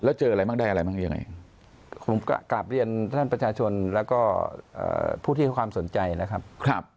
แล้วเจออะไรบ้างได้อะไรบ้างยังไงผมกลับเรียนท่านประชาชนแล้วก็ผู้ที่ให้ความสนใจนะครับ